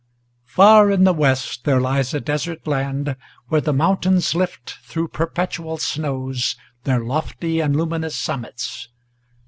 FAR in the West there lies a desert land, where the mountains Lift, through perpetual snows, their lofty and luminous summits.